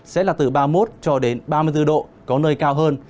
sẽ là từ ba mươi một ba mươi bốn độ có nơi cao hơn